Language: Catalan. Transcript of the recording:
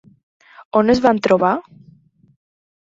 On es van trobar?